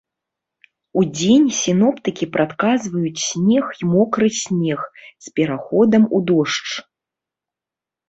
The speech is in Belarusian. Удзень сіноптыкі прадказваюць снег і мокры снег з пераходам у дождж.